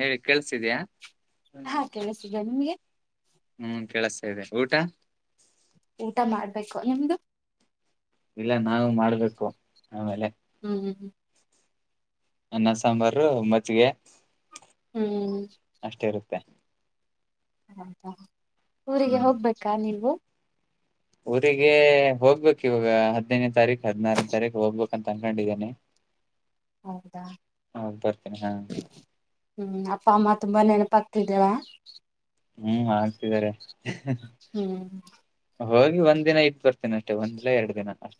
ಹೇಳಿ ಕೆಲ್ಸ ಹಾ ಕೆಲಸ್ತಿದೆ ನಿಮ್ಗೆ ಹ್ಮ್ ಕೆೇಳಸ್ತಾ ಇದೆ ಊಟ ಊಟ ಮಾಡ್ಬೇಕು ನಿಮ್ದು ಇಲ್ಲ ನಾವು ಮಾಡ್ಬೇಕು ಆಮೇಲೆ ಹ್ಮ್ ಹ್ಮ್ ಹ್ಮ್ ಅನ್ನ ಸಾಂಬಾರು ಮಜ್ಗೆ ಹ್ಮ್ ಅಷ್ಟೆ ಇರುತ್ತೆ ಹೌದಾ ಊರಿಗೆ ಹ್ಮ್ ಹೋಗ್ಬೇಕಾ ನೀವು ಊರಿಗೆ ಹೋಗ್ಬೇಕು ಇವಾಗ ಹದಿನೈದನೇ ತಾರೀಕ್ ಹದಿನಾರನೆಯ ತಾರೀಕು ಹೋಗ್ಬೇಕು ಅಂತನ್ಕೊಂಡಿದ್ದೀನಿ ಹೌದಾ ಹ್ಮ್ ಅಪ್ಪ ಅಮ್ಮ ತುಂಬಾ ನೆನಪ ಕಿತವಾ [unintelligible] ಹ್ಮ್ ಆಗ್ತಿದ್ದಾರೆ ಹ್ಮ್ ಹೋಗಿ ಒಂದ್ ದಿನ ಇದ್ ಬರ್ತಿನಿ ಅಷ್ಟೆ ಒಂದಿಲ್ಲ ಎರಡು ದಿನ ಅಷ್ಟೇ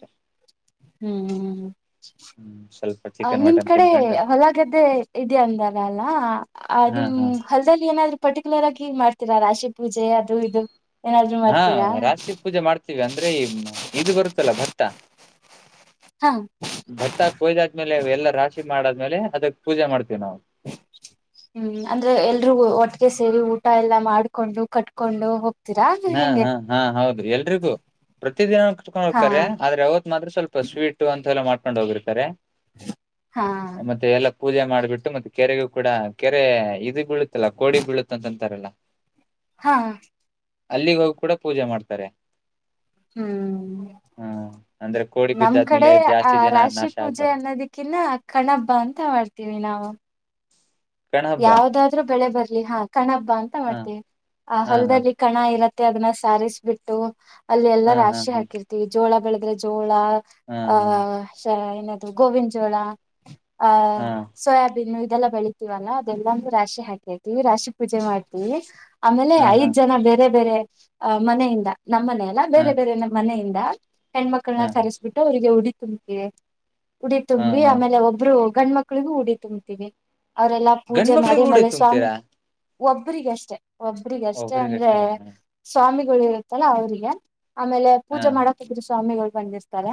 ಹ್ಮ್ ಹ್ಮ್ ಸ್ವಲ್ಪ ಅ ಚಿಕನ್ ನಿಮ್ ಮಟನ್ ಕಡೆ ತಿನ್ಕೊಂಡು ಹೊಲಗದ್ದೆ ಇದದೆ ಅಂದಾರ ಅಲ್ಲ ಆ ಹಾ ನಿಮ್ ಹಾ ಹೊಲ್ದಲ್ಲಿ ಏನಾದ್ರು ಪರ್ಟಿಕ್ಯುಲರ್ ಆಗಿ ಮಾಡ್ತೀರಾ ರಾಶಿ ಪೂಜೆ ಅದು ಇದು ಏನಾದ್ರು ಹಾ ಮಾಡ್ತೀರಾ ರಾಶಿ ಪೂಜೆ ಮಾಡ್ತೀವಿ ಅಂದ್ರೆ ಈ ಇದು ಬರುತ್ತಲ್ಲ ಭತ್ತ ಹಾ ಭತ್ತಾ ಕೊಯ್ದಾದ್ಮೇಲೆ ಎಲ್ಲ ರಾಷ್ ಮಾಡಾದ್ಮೇಲೆ ಅದಕ್ ಪೂಜೆ ಮಾಡ್ತೇವಿ ನಾವು ಹ್ಮ್ ಅಂದ್ರೆ ಎಲ್ರುೂ ಒಟ್ಟಗೆ ಸೇರಿ ಊಟ ಎಲ್ಲಾ ಮಾಡ್ಕೊಂಡು ಕಟ್ಕೊಂಡು ಹೋಗ ಹಾ ಹಾ ಹಾ ಹೌದ್ರಿ ಎಲ್ರಿಗೂ ಪ್ರತ ದಿನ ಕತ್ಕೊಂಡ್ ಹಾ ಹೋಗ್ತಾರೆ ಆದ್ರೆ ಅವತ್ ಮಾತ್ರ ಸ್ವಲ್ಪ ಸ್ವೀಟ್ ಅಂತ ಎಲ್ಲಾ ಮಾಡ್ಕೊಂಡ್ ಹೋಗಿರ್ತಾರೆ ಹಾ ಮತ್ತೆ ಎಲ್ಲಾ ಪೂಜೆ ಮಾಡ್ಬಿಟ್ಟು ಮತ್ತೆ ಕೆರೆಗೂ ಕೂಡ ಕೆರೆ ಇದು ಬೀಳುತ್ತಲ್ಲ ಕೋಡಿ ಬೀಳುತ್ತ ಅಂತಂತಾರಲ್ಲ ಹಾ ಅಲ್ಲಿಗೆ ಹೋಗಿ ಕೂಡ ಪೂಜೆ ಮಾಡ್ತಾರೆ ಹ್ಮ್ ಹ್ಮ ಅಂದ್ರೆ ಕೋಡಿ ನಮ್ ಕಡೆ ಬಿದ್ದಾದ್ಮೇಲೆ ಆ ಜಾಸ್ತಿ ಜನ ರಾಶಿ ನಾಶ ಪೂಜೆ ಆಗ್ಬಾರ್ದು ಅನ್ನೋದಕ್ಕಿನ್ನ ಕಣಬ್ಬ ಅಂತ ಮಾಡ್ತೀವಿ ನಾವು ಗಣ ಹಬ್ಬ ಯಾವದಾದ್ರರು ಬೆಳೆ ಬರ್ಲಿ ಹಾ ಕಣ ಹಬ್ಬ ಅಂತ ಹ ಮಾಡ್ತೇವಿ ಆ ಹಾ ಹಾ ಹೊಲ್ದಲ್ಲಿ ಕಣ ಇರತ್ತ ಮತ್ತೆ ಅದನ್ನ ಸಾರಿಸ್ ಬಿಿಟ್ಟು ಅಲ್ಲಿ ಎಲ್ಲಾ ಹಾ ರಾಶಿ ಹಾ ಹಾಕಿರ್ತತಿೀವಿ ಜೋಳ ಬೆಳದ್ರೆ ಜೋಳ ಹಾ ಜೋಳ ಹಾ ಆ ಏನದು ಗೋವಿನ ಜೋಳ ಆಹ ಹಾ ಸೋಯಾಬೀನು ಇದೆಲ್ಲ ಬೆಳಿತೀವಲ್ಲಾ ದೆಲ್ಲನು ರಾಶಿ ಹಾಕರ್ತಿವಿ ರಾಶಿ ಪೂಜೆ ಮಾಡ್ತಿವಿ ಆಮೇಲೆ ಹಾ ಹಾ ಐದ್ ಜನ ಬೇರೆ ಬೇರೆ. ಅ ಮನೆಯಿಂದ ನಮ್ಮನೆ ಅಲ್ಲ ಬೇರೆ ಬೇರೆ ಮನೆಯಿಂದ. ಹಾ ಹೆಣ್ಮಕ್ಳನ್ನ ಕರಿಸ್ಬಿಟ್ಟು ಅವರಿಗೆ ಉಡಿ ತುಂಬತವಿ ಉಡಿ ಹಾ ತುಂಬಿ ಹಾ ಆಮೇಲೆ ಒಬ್ರು. ಗಂಡ ಮಕ್ಳಿಗೂ ಉಡಿ ತುಂಬ್ತಿವಿ ಅವರೆಲ್ಲಾ ಗಂಡ ಪೂಜೆ ಮಾಡಿ ಮಕ್ಳಿಗೆ ಉಡಿ ಆಮೇಲೆ ಸ್ವಾಮಿ. ತುಂಬ್ತೀರಾ ಒಬ್ಬ್ರಗಷ್ಟೇ ಒಬ್ಬ್ರಗ ಅಷ್ಟೇ ಅಂದ್ರೆ ಒಬ್ರಿಗಷ್ಟೇನಾ ಸ್ವಾಮಿಗಳ ಇರುತ್ತಲ್ಲ ಅವ್ರಿಗೆ. ಆಮೇಲೆ ಹಾ ಪೂಜೆ ಮಾಡಕ್ ಇಬ್ರು ಸ್ವಾಮಿಗಳು ಬಂದಿರ್ತಾರೆ.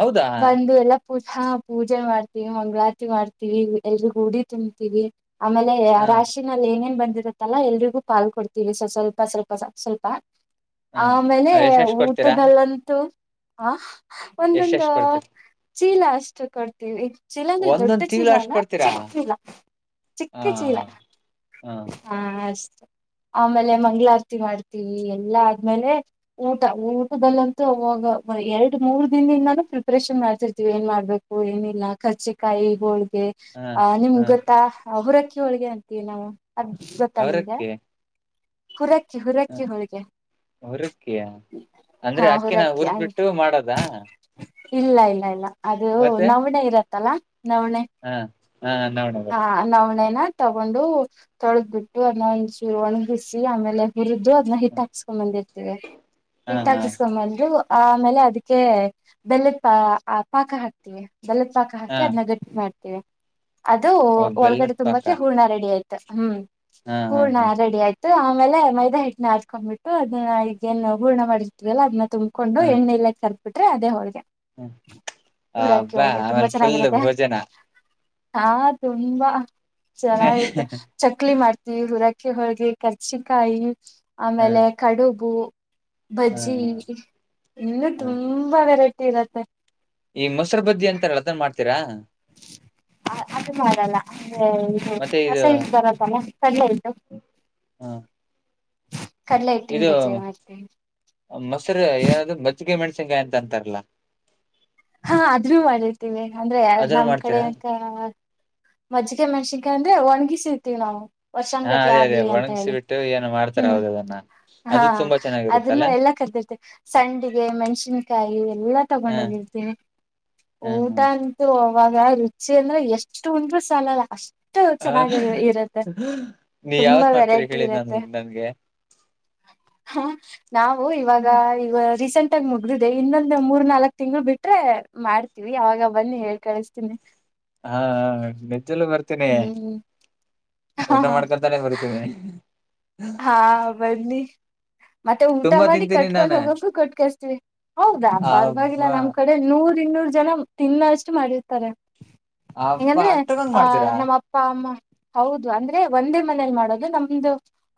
ಹೌದಾ ಬಂದು ಎಲ್ಲಾ ಪೂಜಾ ಪೂಜೆ ಮಾಡ್ತೀವಿ ಮಂಗಳಾತಿ ಮಾಡ್ತೀವಿ ಎಲ್ ಗುಡಿ ತುಂಮ್ತೀವಿ. ಆಮೇಲೆ ಹಾ ರಾಶಿನಲ್ಲಿ ಏನೇನ್ ಬಂತ [unintelligible] ತ್ತಲ್ಲಾ ಎಲ್ರಿಗೂ ಪಾಲ್ ಕೊಡ್ತೀವಿ ಸ ಸ ಸ್ವಲ್ಪ ಸ್ವಲ್ಪ ಸ್ವಲ್ಪ. ಹಾ ಆಮೇಲೆ ಎಷ್ಟೆಷ್ಟು ಕೊಡ್ತೀರಾ ಊಟದಲ್ಲಂತೂ. ಹ ಎಷ್ಟ ಒಂದೊಂದು ಎಷ್ಟ್ ಕೊಡ್ತೀರಿ ಚೀಲ ಅಷ್ಟು ಕೊಡ್ತೀವಿ. ಚಿಲ್ಲಾ ಅಂದ್ರೆ ದೊಡ್ಡ ಒಂದೊಂದ್ ತಿಂಗ್ಳ ಚೀಲ ಅಷ್ಟ್ ಅಲ್ಲ ಕೊಡ್ತೀರಾ ಚಿಕ್ಕ ಚಲ. ಹ ಚಿಕ್ಕ ಚೀಲ ಹ ಹಾ ಅಷ್ಟೇ. ಆಮೇಲೆ ಮಂಗ್ಳಾರತಿ ಮಾಡ್ತೀವಿ ಎಲ್ಲಾ ಆದ್ಮೇಲೆ ಊಟ ಊಟದಲ್ಲಂತೂ ಹೊಗೋ ಎರಡ್ ಮೂರ್ ದಿನದಿಂದಾನೂ ಪ್ರಿಪರೇಷನ್ ಮಾಡ್ತಿರ್ತಿವಿ ಏನ್ ಮಾಡ್ಬೇಕು ಏನಿಲ್ಲ ಕರ್ಚಿಕಾಯಿ ಹೋ ಹ ಆ ನಿಮ್ ಹ ಗೊತ್ತಾ ಅವರಕ್ಕಿ ಹೋಳಗೆ ಅಂತೀವಿ ನಾವು. ಅದ್ ಗೊತ್ತಾ ನಿಂಗೆ ಅವ್ರಕ್ಕೆ ಹುರಕ್ಕಿ ಹುರಕ್ಕಿ ಹೋಳ್ಗೆ. ಹುರಕಿಯ ಅಂದ್ರೆ ಹಾ ಅಕ್ಕಿನಾ ಹುರಕ್ಕಿ ಹುರಿದ್ ಬಿಟ್ಟು ಮಾಡದಾ. ಇಲ್ಲ ಇಲ್ಲ ಇಲ್ಲ ಅದು ನವಣ ಇರತ್ತಲ್ಲಾ. ಹಾ ಹಾ ನೌಣ್ ಹಾ ನೌಣೆನಾ. ತಗೊಂಡು ತೊಳದ್ಬಿಟ್ಟು ಅದನ್ನ ಒಣ ಒಣಗಿಸಿ ಆಮೇಲೆ ಹು [unintelligible] ದು ಅದನ್ನ ಹಿಟ್ ಹಾಕಸ್ಕೊಂಬಂದಿರ್ತವಿ ಹ ಹಿಟ್ ಹ ಹಾಕಿಸಸ್ಕೊಂಡ್ ಬಂದು. ಆಮೇಲೆ ಅದಕ್ಕೆ ಬೆಲ್ಲ ಪ ಪಾಕ ಹಾಕ್ತೀವಿ. ಬೆಲ್ಲತ್ ಪಾಕ ಹ ಹಾಕಿ ಅದನ್ನ ಗಟ್ಟಿ ಮಾಡ್ತೀವಿ ಅದು ಓ ಬೆಲ್ಲದ ಒಳಗಡೆ ಪಾಕ ತುಂಬಕ್ಕೆ ಹೂರ್ಣ ರೆಡಿ ಆಯ್ತು. ಹ್ಮ್ ಹ ಹ ಹೂರ್ಣ ಹ ರೆಡಿ ಆಯ್ತು. ಆಮೇಲೆ ಮೈದಾ ಹಿಟ್ಟನ ನಾದ್ಕೊಂಡ್ಬಿಟ್ಟು ಅದನ್ನ ಈಗೇನ್ ಹೂರ್ಣ ಮಾಡಿರ್ತವಲ್ಲ ಅದ್ ತುಂಬಕೊಂಡು ಹ ಹ ಎಣಿಲಿ ಕರ್ದ್ ಬಿಟ್ರೆ ಅದೆ ಹೋಳಗೆ. ಊರಾಕಿ ಅಬ್ಬಾ ಹಳಗೆ ತುಂಬಾ ಆಮೇಲೆ ಫುಲ್ ಚೆನ್ನಾಗಿರುತ್ತೆ. ಭೋಜನ ಹಾ ತುಂಬಾ ಹ ಚೆನ್ನಾಗಿತ್ತ ಚಕ್ಲಿ ಮಾಡ್ತೀವಿ ಹುರಕ [unintelligible] ಅ ಹೋಳ್ಗೆ ಕರ್ಚಿಕಾಯಿ ಹ ಆಮೇಲೆ ಕಡುಬು. ಬಜ್ಜಿ ಹ ಇನ್ನುೂ ತುಂಬಾ ವೆರೈಟಿ ಇರತ್ತೆ. ಈ ಮೊಸ್ರು ಬಜ್ಜಿ ಅಂತಾರಲ್ಲ ಅದನ್ ಮಾಡ್ತೀರಾ. ಹ ಅದು ಮಾಡಲ್ಲ. ಹ ಮತ್ತೆ ಇದು ಹಸೆ ಹಿಟ್ ಬರತ ಅಲ್ಲ ಕಡ್ಲೆ ಹಿಟ್ಟು. ಇದು ಮೊಸರು ಏನದ ಮಜ್ಗೆ ಮೆಣಸಿ [unintelligible] ಯಂತ ಅಂತಾರಲ್ಲ. ಹಾ ಆದ್ರು ಮಾಡಿರ್ತಿವಿ ಅಂದ್ರೆ ಅದನ್ನು ನಮ್ ಕಡೆ ಮಾಡ್ತೀರಾ ಕ ಮಜ್ಜಿಗೆ ಮೆಣ್ಸಿನಕಾಯ್ ಅಂದ್ರೆ ಒಣ್ಗಿಸಿತಿವಿ ನಾವು. ಹಾ ವರ್ಷಂಗಟ್ಲೆ ಅದೇ ಅದೇ ಆಗ್ಲಿ ಅಂತ ಒಣಗಿಸಿ ಹೇಳಿ ಬಿಟ್ಟು ಏನು ಮಾಡ್ತಾರ ಹ್ಮ್. ಹೌದ ಅದನ್ನ ಹಾ ಅದು ತುಂಬಾ ಅದನ್ನು ಚೆನ್ನಾಗಿರುತ್ತಲ್ಲ ಎಲ್ಲ ಕದದಿರ್ತೆ ಸಂಡಿಗೆ ಮೆಣ್ಸಿನ್ಕಾಯಿ ಎಲ್ಲಾ ಹಾ ತಗೊಂಡ ಹೋಗಿ. ಹಾ ಊಟ ಹ್ಮ್ ಅಂತೂ ಅವಾಗ ರುಚಿ ಅಂದ್ರೆ ಎಷ್ಟು ಉಂಟ್ರು ಸಲಲ್ಲ ಅಷ್ಟ ಅಷ್ಟು ಆ ಚೆನ್ನಾಗಿ ಇರುತ್ತೆ ನೀ ತುಂಬಾ ಯಾವತ್ ಮಾಡ್ತೀರಿ ವೆರೈಟಿ ಹೇಳಿ ನನ್ ಇರತ್ತೆ. ನನ್ಗೆ ಹ ನಾವು ಇವಾಗ ಈ ರೀಸೆಂಟ್ ಆಗ ಮುಗ್ದಿದೆ ಇನ್ನು. ಇನ್ನ ಮೂರ್ ನಾಲ್ಕಕ್ ತಿಂಗಳು ಬಿಟ್ರೆ ಮಾಡ್ತೀವಿ ಅವಾಗ ಬನ್ನಿ ಹೇಳ್ ಕಳುಸತೀನಿ. ಹಾ ಮೆಟ್ಟಿಲ್ಲು ಬರ್ತೀನಿ. ಹ್ಮ್ ಊಟ ಹ ಮಾಡ್ಕೊತಾನೆ ಬರ್ತೀವಿ. ಹಾ ಬನ್ನಿ. ಮತ್ತೆ ಊಟ ತುಂಬಾ ಮಾಡಿ ತಿಂತೀನಿ ಕಟ್ಕೊಂಡ್ ನಾನು ಹೋಗಕು ಕೊಟ್ಕಳಿಸ್ತೀವಿ ಹೌದಾ ಅಬ್ಬ ಪರ್ವಾಗಿಲ್ಲ ನಮ್ಮ್ ಕಡೆ ನೂರ್ ಇನ್ನೂರು ಜನ ತಿನ್ನಷ್ಟು ಮಾಡಿರ್ತಾರೆ ಅಬ್ಬ ಹಂಗಂದ್ರೆ ಅಷ್ಟೊಂದ್ ಆ ಮಾಡ್ತೀರಾ ನಮ್ಮ ಅಪ್ಪ ಅಮ್ಮ ಹೌದು ಅಂದ್ರೆ ಒಂದೇ ಮನೇಲಿ ಮಾಡೋದು ನಮ್ದು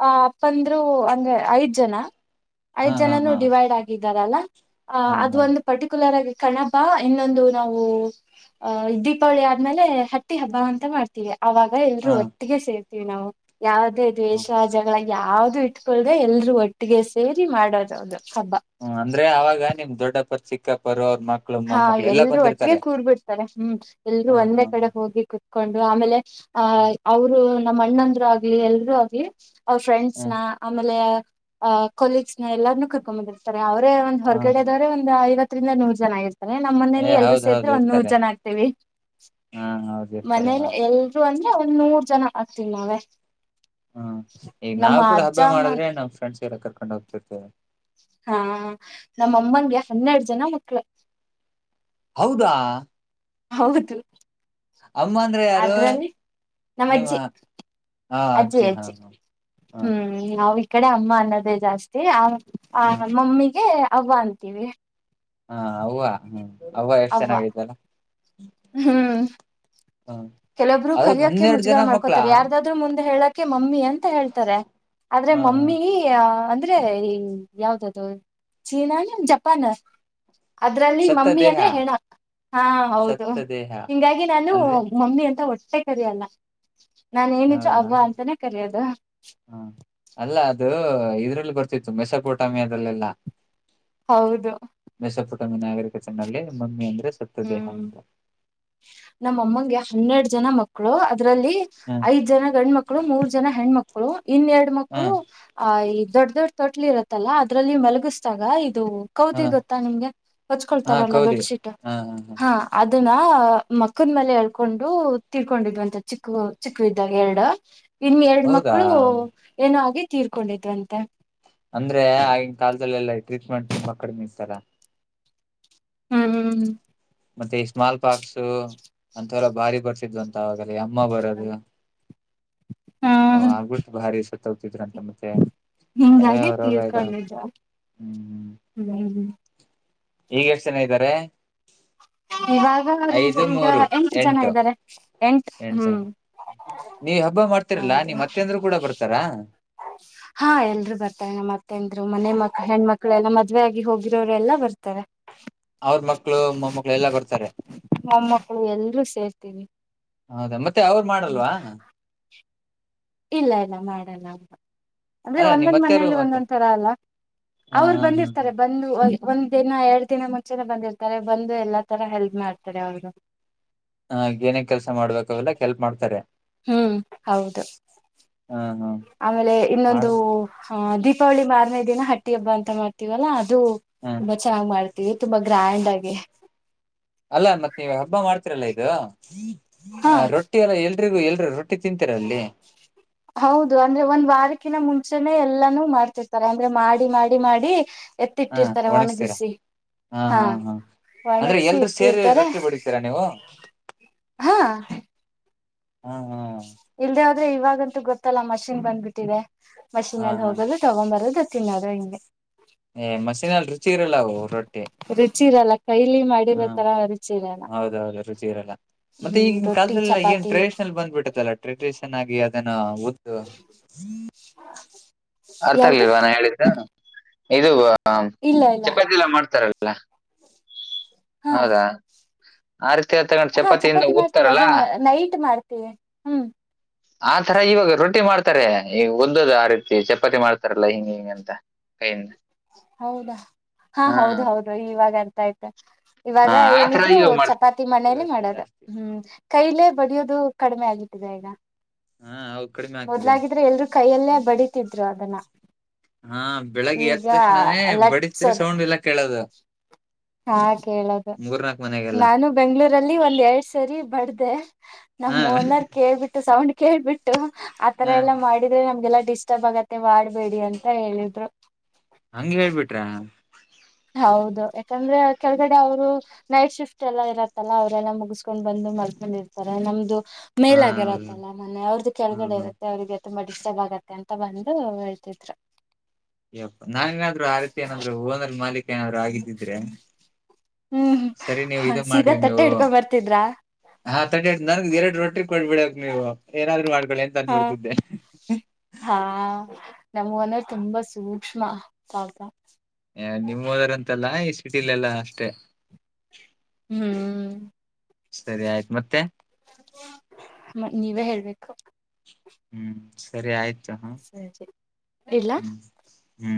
ಅ ಅಪ್ಪಂದ್ರು ಅಂದ್ರೆ ಐದ್ ಜನ ಹಾ ಐದ್ ಹಾ ಜನನು ಹಾ ಡಿವೈಡ್ ಆಗಿದ್ದಾರಲ್ಲ ಆ ಹಾ ಅದು ಹಾ ಒಂದು ಪರ್ಟಿಕ್ಯುಲರ್ ಆಗಿ ಕಣಬ ಇನ್ನೊಂದು ನಾವು ಹ ದೀಪಾವಳಿ ಆದ್ಮೇಲೆ ಹಟ್ಟಿ ಹಬ್ಬ ಅಂತ ಮಾಡ್ತೀವಿ ಅವಾಗ ಎಲ್ರೂ ಹಾ ಹಾ ಒಟ್ಟಿಗೆ ಸೇರ್ತೀವಿ ನಾವು ಯಾವದೇ ಹ್ಮ ದ್ವೇಷ ಜಗಳ ಯಾವ್ದು ಇಟ್ಟುಕೊಳ್ಳದೆ ಎಲ್ರು ಒಟ್ಟಿಗೆ ಸೇರಿ ಮಾಡೋದದು ಹ್ಮ ಅಂದ್ರೆ ಅವಾಗ ನಿಮ್ ದೊಡ್ಡಪ್ಪರ್ ಚಿಕ್ಕಪ್ಪರು ಅವ ಹಾ ಎಲ್ರೂ ಒಟ್ಟಿಗೆ ಕೂರ್ ಬಿಡ್ತಾರೆ ಹ್ಮ್ ಎಲ್ರೂ ಹಾ ಒಂದೇ ಹಾ ಕಡೆ ಹಾ ಹೋಗಿ ಕೊತ್ಕೊಂಡು ಆಮೇಲೆ ಆ ಹ್ಮ್ ಅವರು ನಮ್ಮ ಅಣ್ಣಂದರು ಆಗಲ್ಲಿ ಎಲ್ರು ಆಗಿಲ್ಲಿ ಅವ್ರ ಫ್ರೆಂಡ್ಸ್ ಹ್ಮ್ ನ ಆಮೇಲೆ ಅಹ್ ಕೊಲೀಗ್ಸ್ ನ ಎಲ್ಲಾರ್ನ್ನೂ ಕರ್ಕೊ ಬಂದಿರ್ತಾರೆ ಅವ್ರೇ ಒಂದ್ ಹ್ಮ್ ಹ್ಮ್ ಹೊರಗಡೆದವ್ರೆ ಒಂದು ಐವತ್ತರಿಂದ ನೂರ್ ಜನ ಆಗತಾರೆ ರೆ ನಮ್ಮ್ ಏ ಮನೇಲಿ ಎಲ್ರೊ ಹೌದ್ ಹೌದ್ ಸೇರಿದ್ರೆ ಒಂದ್ ನೂರ್ ಇರ್ತಾರೆ ಜನ ಆಗ್ತೇವಿ ಹಾ ಹೌದ್ ಇರ್ತಾರೆ ಮನೇಲೆ ಹೌದು ಎಲ್ರು ಅಂದ್ರೆ ಒಂದ್ ನೂರ್ ಜನ ಆಗ್ತವಿ ನಾವೇ ಹ್ಮ್ ಈಗ ನಾವ ನಮ್ಮ ಕೂಡ ಅಜ್ಜ ಹಬ್ಬ ಅಮ್ಮ ಮಾಡಿದ್ರೆ ನಮ್ ಫ್ರೆಂಡ್ಸ್ ಗೆ ಎಲ್ಲ ಕರ್ಕೊಂಡ್ ಹೋಗ್ತಿರ್ತೇವೆ ಹಾ ನಮ್ಮಮ್ಮನ್ಗೆ ಹನ್ನೆರಡ ಜನ ಮಕ್ಳ ಹೌದಾ ಹೌದು ಅಮ್ಮ ಅಂದ್ರೆ ಯಾರು ಅದ್ರಲ್ಲಿ ನಿಮ್ಮ ನಮ್ಮಜ್ಜಿ ಹ ಅಜ್ಜಿ ಹ ಅಜ್ಜಿ ಹ ಹ್ಮ್ ನಾವ ಈ ಕಡೆ ಅಮ್ಮ ಅನ್ನೋದೇ ಜಾಸ್ತಿ ಆ ಆ ಹ ಮಮ್ಮಿಗೆ ಅವ್ವ ಅಂತೀವಿ ಹಾ ಅವ್ವ ಹ್ಮ ಅವ್ವ ಎಷ್ಟು ಚೆನ್ನಾಗ ಐತಲ್ಲ ಹ್ಮ್ ಕೆಲವೊಬ್ರು ಅದ ಕರಿಯಕ್ಕೆೆ ಹನ್ನೆರಡು ಜನ ಮುಜುಗಾರ ಮಕ್ಳ ಮಾಡ್ಕೋತಾರೆ ಯಾರದಾದ್ರು ಮುಂದೆ ಹೇಳಕೆ ಮಮ್ಮಿ ಅಂತ ಹೇಳ್ತಾರೆ ಆದ್ರೆ ಹ ಹ ಮಮ್ಮಿ ಅಂದ್ರೆ ಈ ಯಾವ್ದದು ಚೀನಾ ಏನ ಜಪಾನ ಅದ್ರಲ್ಲಿ ಸತ್ತ ಮಮ್ಮಿ ದೇಹ ಅಂದ್ರೆ ಹೆಣ ಹಾ ಹೌದು ಸತ್ತ ದೇಹ ಹಿಂಗಾಗಿ ನಾನು ಅಂದ್ರೆ ಮಮ್ಮಿ ಅಂತ ಹೊಟ್ಟೆ ಕರಿ ಅಲ್ಲ ನಾನ ಏನಿದ್ರು ಹೌದಾ ಅವ್ವ ಅಂತಾನೇ ಕರೆಯೋದು ಇದರಲ್ಲಿ ಬರ್ತಿತ್ತು ಮೆಸಪೋಟಾಮಿಯದಲ್ಲೆಲ್ಲ ಹೌದು ಪುಟ ನಾಗರಿಕತೆನಲ್ಲಿ ಮಮ್ಮಿ ಒಂದ ಹ್ಮ್ ನಮ್ಮ ಅಮ್ಮಗೆ ಹನ್ನೆರಡ್ ಜನ ಮಕ್ಕಳು ಇದ್ರಲ್ಲಿ ಹ ಐದ್ ಜನ ಗಂಡ ಮಕ್ಕಳು ಮೂರ್ ಜನ ಹೆಣ್ಮಕ್ಕಳು ಇನ್ನೆರಡು ಮಕ್ಕಳು ಆ ದೊಡ್ಡ ದೊಡ್ಡ ತೊಟ್ಲ ಇರುತ್ತಲ್ಲ ಅದ್ರಲ್ಲಿ ಮಲಗಿಸಿದಾಗ ಇದು ಹ ಕೌದಿ ಹ ಗೊತ್ತಾ ನಿಮ್ಗೆ ಹೋಚ್ಕೊಳ್ತಾರಲ್ಲಾ ಬೆಡ್ಶೀಟ್ ಹಾ ಹಾ ಹಾ ಅದನ್ನ ಮಕ್ಕದ ಮೇಲೆ ಹೇಳ್ಕೊಂಡು ತಿರ್ಕೊಂಡಿದ್ವಂತ ಚಿಕ್ಕ ಚಿಕ್ಕ ಇದಿದ್ದಾಗ ಎರಡು ಇನ್ ಎರಡ್ ಮಕ್ಕಳು ಹೌದಾ ಏನೋ ಆಗಿ ತೀರ್ಕೊಂಡಿದ್ವಂತೆ ಅಂದ್ರೆ ಆಗಿನ ಕಾಲದಲ್ಲೆಲ್ಲ ಟ್ರೀಟ್ಮೆಂಟ್ ತುಂಬಾ ಕಡಿಮೆ ಇತಲ್ಲ ಹ್ಮ್ ಹ್ಮ್ ಮತ್ತೆ ಈ ಸ್ಮಾಲ್ ಪಾಕ್ಸು ಅಂತವೆಲ್ಲ ಭಾರಿ ಬರ್ತಿದವ ಅಂತ ಆವಾಗಲ್ಲ ಅಮ್ಮ ಬರದು ಹಾ ಹ ಆಗ್ಬಿಟ್ಟು ಭಾರಿ ಸತ್ ಹೋಗ್ತಿದ್ರಂತೆ ಮತ್ತೆ ಯಾವ ಹಿಂಗಾಗಿ ರೋಗ ಇದತ ತೀರ್ಕೊಂಡಿದ್ರು. ಹ್ಮ್ ಹ್ಮ್ ಈಗ್ ಎಷ್ಟ ಜನ ಇದ್ದಾರೆ ಇವಾಗ ಈಗ ಎಂಟ ಜನ ಇದ್ದಾರೆ ಎಂಟ್ ಎಂಟ ಹ್ಮ್. ಜನ ನೀವ್ ಹಬ್ಬ ಮಾಡ್ತಿರಲ್ಲಾ ಹೌದು ನೀಮ್ಮತ್ತೆ ಅಂದ್ರು ಕೂಡ ಬರ್ತಾರಾ ಹಾ ಎಲ್ರು ಬರ್ತಾರೆ ನಮ್ಮತ್ತೆಂದ್ರು ಮನೆ ಮಕ್ ಹೆಣ್ಮಕ್ಳ ಎಲ್ಲ ಮದ್ವೆ ಆಗಿ ಹೋಗಿರೋರು ಎಲ್ಲಾ ಬರ್ತಾರೆ ಅವ್ರ ಮಕ್ಳು ಮೊಮ್ಮಕ್ಳು ಎಲ್ಲ ಬರ್ತಾರೆ ಮೊಮ್ಮಕ್ಕಳು ಎಲ್ರೂ ಸೇರ್ತೀವಿ ಹೌದಾ ಮತ್ತೆ ಅವ್ರು ಹ್ಮ್ ಮಾಡಲ್ವಾ ಇಲ್ಲ ಇಲ್ಲ ಮಾಡಲ್ಲ ಅಂತ ಅಂದ್ರೆ ಅಲ್ಲ ನಿಮ್ ಒಂದೊಂದ್ ಅತ್ತೆರು ಮನೇಲಿ ಮತ್ತೆ ಒಂದೊಂದ್ ತರ ಅಲ್ಲ ಹಾ ಅವರು ಹಾ ಹಾ ಬಂದಿರ್ತಾರೆ ಬಂದು ಒಂದ್ ದಿನ ಎರಡ್ ದಿನ ಮುಂಚೆನೆ ಬಂದಿರ್ತಾರೆ ಬಂದು ಎಲ್ಲಾ ತರ ಹೆಲ್ಪ್ ಮಾಡ್ತಾರೆ ಅವರು ಹ ಏನೇ ಕೆಲ್ಸ ಮಾಡ್ಬೇಕ ಅವೆಲ್ಲ ಕೆಲ್ಪ್ ಮಾಡ್ತಾರೆ ಹ್ಮ್ ಹೌದು ಹಾ ಹಾ ಆಮೇಲೆ ಮಾಡ ಇನ್ನೊಂದು ಆ ದೀಪಾವಳಿ ಮಾರನೇ ದಿನ ಹಟ್ಟಿ ಹಬ್ಬ ಅಂತ ಮಾಡ್ತೀವಲ್ಲ ಅದು ಹಾ ತುಂಬಾ ಚೆನ್ನ್ ಮಾಡ್ತ ತುಂಬಾ ಗ್ರ್ಯಾಂಡ್ ಆಗೆ ಅಲ್ಲ ಮತ್ತ ನೀವ ಹಬ್ಬ ಮಾಡ್ತಿರಲ್ಲ ಇದು ಹಾ ರೊಟ್ಟಿ ಎಲ್ಲ ಎಲ್ರಿಗೂ ಎಲ್ರಿ ರೊಟ್ಟಿ ತಿಂತೀರ ಅಲ್ಲಿ ಹೌದು ಅಂದ್ರೆ ಒಂದ್ ವಾರಕ್ಕೆ ಅಕಿನ ಮುಂಚೆನೆ ಎಲ್ಲಾನು ಮಾಡ್ತಿರ್ತಾರೆ ಅಂದ್ರೆ ಮಾಡಿ ಮಾಡಿ ಮಾಡಿ ಹಾ ಎತ್ತಿಟ್ಟಿರ್ತಾರೆ ಒಣಗ್ಸ್ತೀರಾ ಒಣಗಿಸಿ ಹಾ ಹಾ ಹಾ ಅಂದ್ರೆ ಒಣಗಿಸಿ ಎಲ್ರೂ ಸೇರಿ ಇಟ್ಟಿರ್ತಾರೆ ರೊಟ್ಟಿ ಹೊಡಿತೀರಾ ನೀವು ಹಾ ಹಾ ಹಾ ಇಲ್ದೆೇ ಆದ್ರೆ ಇವಾಗಂತೂ ಗೊತ್ತಲ್ಲ ಮಷಿನ್ ಬಂದ್ಬಿಟ್ಟಿದೆ ಹಾ ಮಷಿಿನಲ್ಲಿ ಹಾ ಹೋಗಲು ತಗೊ್ಂಬರೋದು ತಿನ್ನೋದು ಹಿಂಗೆ ಏ ಮಷೀನಲ್ಲಿ ರುಚಿ ಇರಲ್ಲ ಅವು ರೊಟ್ಟಿ ರುಚಿ ಇರಲ್ಲ ಕೈಲಿ ಹಾ ಮಾಡಿರೋ ತರ ರುಚಿ ಇರಲ್ಲ ಹೌದೌದು ರುಚಿ ಇರಲ್ಲ ಮತ್ತೆ ಹ್ಮ್ ಈಗಿನ ರೊಟ್ಟಿ ಕಾಲದಲ್ಲಿಲ್ಲ ಏನ್ ಚಪಾತಿ ಟ್ರೆಡಿಷನಲ್ ಬಂದ್ಬಿಟ್ಟತ್ತಲ್ಲ ಟ್ರೆಡಿಷನ್ ಆಗಿ ಅದನ್ನು ದ್ದ ಅರ್ಥ ಯಾವ್ದು ಆಗ್ಲಿಲ್ವಾ ನಾ ಹೇಳಿದ್ದ ಇ ಇಲ್ಲ ಇಲ್ಲ ಚಪಾತಿ ಎಲ್ಲ ಮಾಡ್ತಾರಲ್ ಹಾ ಹೌದಾ ಆ ಹಾ ಚಪಾತಿಯಿಂದ ಚಪಾತಿ ಮಾಡ್ತೀವಿ ಹ್ತಾರಲ್ಲ ಅದನ್ನ ನೈಟ್ ಮಾಡ್ತೀವಿ ಹ್ಮ್ ಆ ತರ ಇವಾಗ ರೊಟ್ಟಿ ಮಾಡ್ತಾರೆ ಈ ಒದ್ದದು ಆ ರೀತಿ ಚಪ್ಪ ಚಪಾತಿ ಮಾಡ್ತಾರಲ್ಲಾ ಹಿಂ ಹಿಂ ಅಂತ ಕೈಯಿಂದ ಹೌದಾ ಹಾ ಹೌದ ಹೌದು ಇವಾಗ ಆಯ್ತ ಹಾ ಇವಾಗ ಆ ತರ ಏನಿದ್ರು ಇವಾಗ ಚಪಾತಿ ಮಣೇಲಿ ಮಾಡ್ತಾರೆ ಮಾಡೋದು ಜಾಸ್ತಿ ಹ್ಮ್ ಕೈಲೆ ಬಡಿಯೋದು ಕಡಿಮೆ ಆಗಿಟ್ಟಿದೆ ಈಗ ಹಾ ಅವು ಕಡಿಮೆ ಆಗ್ತಿದೆ ಮೊದ್ಲಾಗಿದ್ರೆ ಎಲ್ರುೂ ಕೈಯಲ್ಲೇ ಬಡಿತಿದ್ರು ಅದನ್ನ ಹಾ ಬೆಳಗ್ಗೆ ಈಗ ಎತ್ತಕ್ಷಣವೇ ಬಡತಿರಿ ಲಟ್ಸೋದು ಸೌಂಡ್ ಎಲ್ಲ ಕೇಳದ ಹಾ ಕೇಳದು ಮನೆಗೆಲ್ಲ ನಾನು ಬೆಂಗಳೂರಲ್ಲಿ ಒಂದ್ ಎರಡ್ ಸರಿ ಬಡ್ದ ಅೇ ಹಾ ನಮ್ಮ ಓನರ್ ಕೇಳ್ಬಿಟ್ಟು ಸೌಂಡ್ ಕೇಳ್ಬಿಟ್ಟು ಆತರ ಹಾ ಎಲ್ಲಾ ಮಾಡಿದ್ರೆ ನಮ್ಗೆಲ್ಲಾ ಡಿಸ್ಟರ್ಬ್ ಆಗತ್ತೆ ಮಾಡ್ಬೇಡಿ ಅಂತ ಹೇಳಿದ್ರು ಹಂಗಗೆ ಹೇಳ್ಬಿಟ್ರ ಹೌದು ಯಾಕಂದ್ರೆ ಕೆಳಗಡೆ ಅವರು ನೈಟ್ ಶಿಫ್ಟ್ ಎಲ್ಲಾ ಇರತ್ತಲ್ಲಾ ಅವ್ರಲ್ಲ ಮುಗಿಸಸ್ಕೊಂಡ್ ಬಂದ ಮಾಡ್ಕೊಂಡಿರ್ತಾರೆ ನಮ್ದು ಮೇಲ ಹೌದು ಆಾಗಿರತ್ತಲ್ಲಾ ಮನೆೆ ಅವ್ರದ್ದು ಹ್ಮ್ ಕೆಳಗಡೆ ಹ್ಮ್ ಇರುತ್ತೆ ಅವ್ರರಿಗೆಿಗೆ ತುಂಬಾ ಡಿಸ್ಟರ್ಬ್ ಆಗತ್ತೆ ಅಂತ ತ್ತ ಬಂದು ಹೇಳ್ತಿದ್ರು ಯಪ್ಪ ನಾನ ನಾದ್ರು ಆ ರೀತಿ ಏನಾದ್ರು ಓನಲ್ ಮಾಲೀಕ್ ಏನಾದ್ರು ಆಗಿದ್ದಿದ್ರೆ ಸರಿ ನೀವು ಇದ ಹ್ಮ್ ಸೀದಾ ಮಾಡ್ರಿ ತಟ್ಟೆ ನೀವು ಹಿಡ್ಕೊ ಬರ್ತಿದ್ರಾ ಹಾ ತ ನನ ಎರಡು ರೊಟ್ಟಿ ಕೊಡ್ಬಿಡ ನೀವು ಏನಾದ್ರು ಹಾಡ್ಗಳು ಎಂತ ಹಾ ನೋಡ್ತಿದ್ದೆ ಹಾ ನಮಗಂದ ತುಂಬಾ ಸೂಕ್ಷ್ಮ ಪಾಪ ನಿಮ್ ಹೋದರ್ಂತೆಲ್ಲ ಈ ಸಿಟಿಲೆ ಎಲ್ಲ ಅಷ್ಟೇ ಹ್ಮ್ ಸರಿ ಆಯ್ತು ಮತ್ತೆ ಮ ನೀವೇ ಹೇಳ್ಬೇಕು ಹ್ಮ್ ಸರಿ ಆಯ್ತು ಹ ಸರಿ ಇಲ್ಲ ಹ್ಮ್ ಹ್ಮ್